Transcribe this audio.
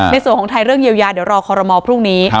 ในส่วนของไทยเรื่องเยียวยาเดี๋ยวรอคอรมอลพรุ่งนี้